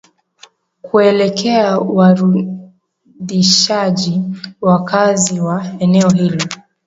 kuelekea warudishaji wa wakazi wa eneo hilo